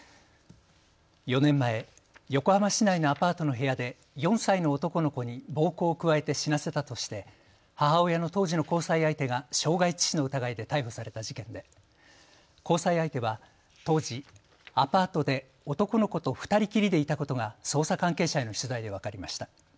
４年前横浜市内のアパートの部屋で４歳の男の子に暴行を加えて死なせたとして母親の当時の交際相手が傷害致死の疑いで逮捕された事件で交際相手は当時アパートで男の子と２人きりでいたことが捜査関係者への取材で分かりました。